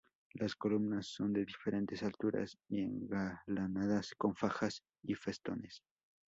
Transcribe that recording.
Las columnas son de diferentes alturas y engalanadas con fajas y festones.